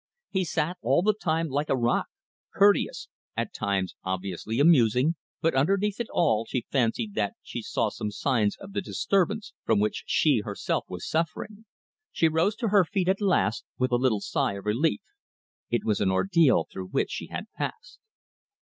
He sat all the time like a rock, courteous, at times obviously amusing, but underneath it all she fancied that she saw some signs of the disturbance from which she herself was suffering. She rose to her feet at last with a little sigh of relief. It was an ordeal through which she had passed.